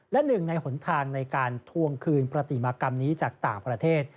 และหนึ่งในหนทางในการทวงคืนประติมากรรมนี้จากต่างประเทศ